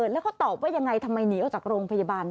แล้วเขาตอบว่ายังไงทำไมหนีออกจากโรงพยาบาล